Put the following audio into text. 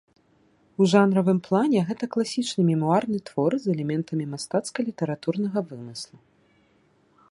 У жанравым плане гэта класічны мемуарны твор з элементамі мастацка-літаратурнага вымыслу.